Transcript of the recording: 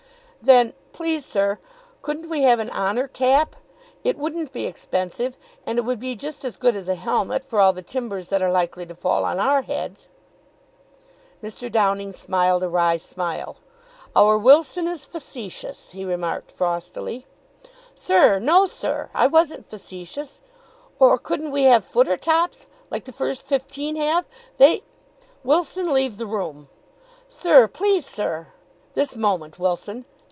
"Then, please, sir, couldn't we have an honour cap? It wouldn't be expensive, and it would be just as good as a helmet for all the timbers that are likely to fall on our heads." Mr. Downing smiled a wry smile. "Our Wilson is facetious," he remarked frostily. "Sir, no, sir! I wasn't facetious! Or couldn't we have footer tops, like the first fifteen have? They " "Wilson, leave the room!" "Sir, please, sir!" "This moment, Wilson.